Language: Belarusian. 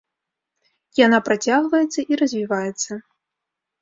Яна працягваецца і развіваецца.